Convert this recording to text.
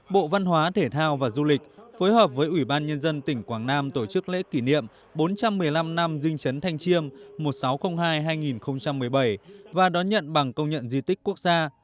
bộ văn hóa thể thao và du lịch phối hợp với ủy ban nhân dân tỉnh quảng nam tổ chức lễ kỷ niệm bốn trăm một mươi năm năm dinh chấn thanh chiêm một nghìn sáu trăm linh hai hai nghìn một mươi bảy và đón nhận bằng công nhận di tích quốc gia